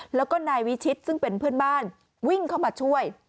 แล้วก็นายวิชิตซึ่งเป็นเพื่อนบ้านวิ่งเข้ามาช่วย